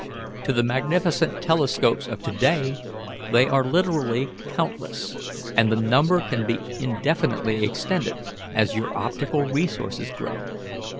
To the magnificent telescopes of to day they are literally countless, and the number can be indefinitely extended as your optical resources grow.